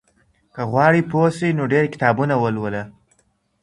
که غواړې پوه سې نو ډېر کتابونه ولوله.